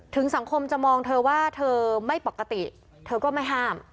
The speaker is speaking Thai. สังคมจะมองเธอว่าเธอไม่ปกติเธอก็ไม่ห้าม